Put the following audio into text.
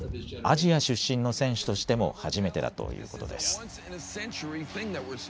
アジア出身の選手としても初めてだということです。